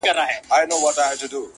• ستا تر پښو دي صدقه سر د هامان وي -